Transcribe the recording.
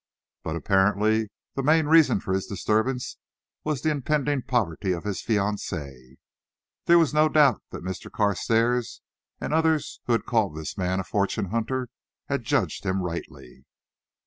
But apparently the main reason for his disturbance was the impending poverty of his fiancee. There was no doubt that Mr. Carstairs and others who had called this man a fortune hunter had judged him rightly.